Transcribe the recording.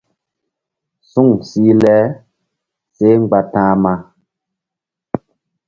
Suŋ sih le seh mgba ta̧hma.